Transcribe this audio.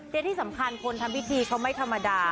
และที่สำคัญคนทำพิธีเขาไม่ธรรมดา